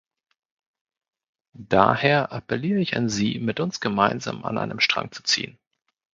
Daher appelliere ich an Sie, mit uns gemeinsam an einem Strang zu ziehen.